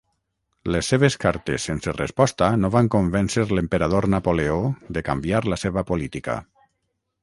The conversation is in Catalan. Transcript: Les seves cartes sense resposta no van convèncer l'emperador Napoleó de canviar la seva política.